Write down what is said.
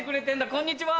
こんにちは。